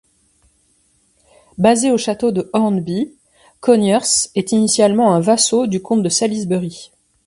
Basé au château de Hornby, Conyers est initialement un vassau du comte de Salisbury.